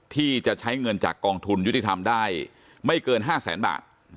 ที่จะใช้เงินจากกองทุนยุติธรรมได้ไม่เกิน๕แสนบาท